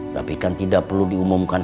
tapi kan tidak perlu diumumkan